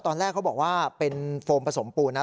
ตอนแรกเขาบอกว่าเป็นโฟมผสมปูนนะ